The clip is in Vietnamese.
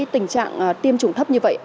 tình trạng tiêm chủng thấp như vậy